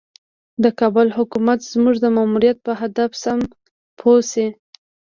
د کابل حکومت زموږ د ماموریت په هدف سم پوه شي.